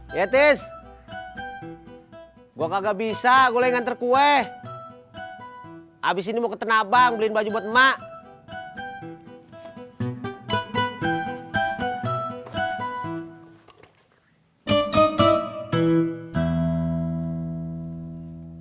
hai yatis gua kagak bisa gue inget terkue habis ini mau ke tenabang beli baju buat emak